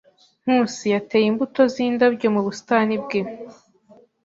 Nkusi yateye imbuto zindabyo mu busitani bwe.